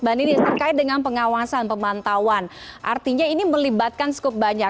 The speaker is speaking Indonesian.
mbak ninis terkait dengan pengawasan pemantauan artinya ini melibatkan cukup banyak